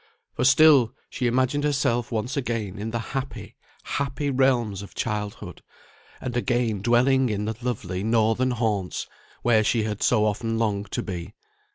For still she imagined herself once again in the happy, happy realms of childhood; and again dwelling in the lovely northern haunts where she had so often longed to be.